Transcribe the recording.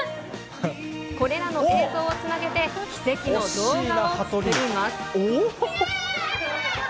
これらの映像をつなげて、奇跡の動画を作ります。